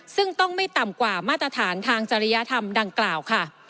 ซึ่งต้องไม่ต่ำกว่ามาตรฐานทางจริยธรรมดังกล่าวค่ะ